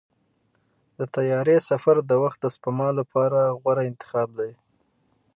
د طیارې سفر د وخت د سپما لپاره غوره انتخاب دی.